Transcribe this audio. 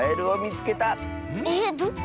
えっどこ？